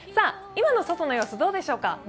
今の外の様子、どうでしょうか。